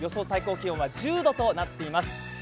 最高気温は１０度となっています。